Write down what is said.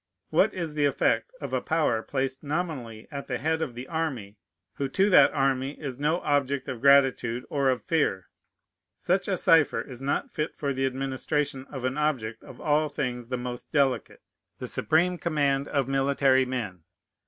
What is the effect of a power placed nominally at the head of the army, who to that army is no object of gratitude or of fear? Such a cipher is not fit for the administration of an object of all things the most delicate, the supreme command of military men.